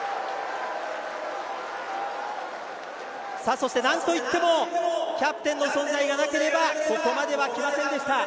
そしてなんといってもキャプテンの存在がなければここまでは来ませんでした。